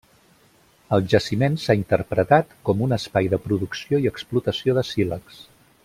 El jaciment s'ha interpretat com un espai de producció i explotació de sílex.